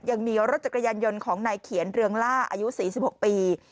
ยังมีรถจักรยานยนต์ของนายเขียนเรืองล่าอายุ๔๖ปี